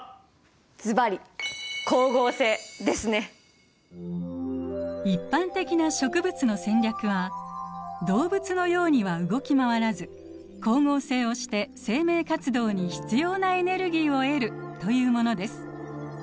ずばり一般的な植物の戦略は動物のようには動き回らず光合成をして生命活動に必要なエネルギーを得るというものです。